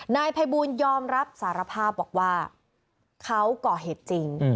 นายภัยบูลยอมรับสารภาพบอกว่าเขาก่อเหตุจริง